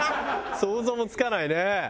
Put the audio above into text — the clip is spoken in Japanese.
想像もつかないね。